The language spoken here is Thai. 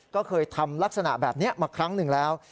ก็เคยทำลักษณะแบบนี้มาครั้งหนึ่งแล้ว